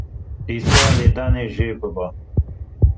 Lîsteya lêdanê jê bibe.